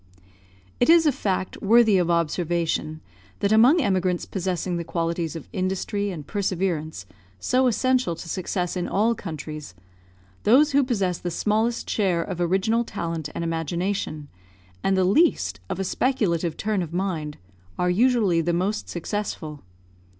It is a fact worthy of observation, that among emigrants possessing the qualities of industry and perseverance so essential to success in all countries, those who possess the smallest share of original talent and imagination, and the least of a speculative turn of mind, are usually the most successful.